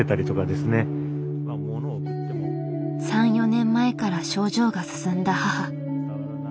３４年前から症状が進んだ母。